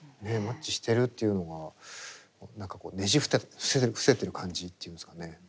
ねえマッチしてるっていうのが何かこうねじ伏せてる感じっていうんですかね